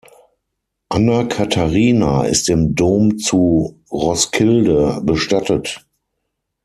Anna Katharina ist im Dom zu Roskilde bestattet.